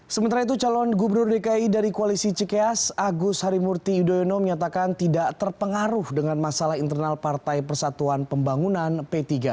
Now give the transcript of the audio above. sementara itu calon gubernur dki dari koalisi cikeas agus harimurti yudhoyono menyatakan tidak terpengaruh dengan masalah internal partai persatuan pembangunan p tiga